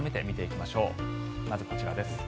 まずこちらです。